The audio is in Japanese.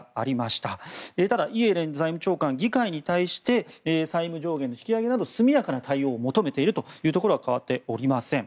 ただ、イエレン財務長官議会に対して債務上限の引き上げなど速やかな対応を求めているというところは変わっておりません。